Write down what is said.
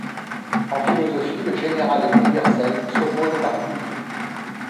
En philosophie, le général et l'universel s'opposent au particulier.